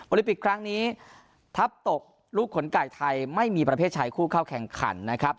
ลิปิกครั้งนี้ทัพตกลูกขนไก่ไทยไม่มีประเภทชายคู่เข้าแข่งขันนะครับ